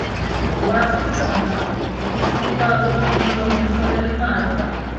Barcelona, disputado en Oropesa del Mar.